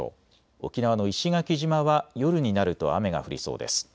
沖縄の石垣島は夜になると雨が降りそうです。